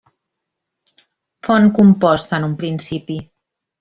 Fon composta, en un principi.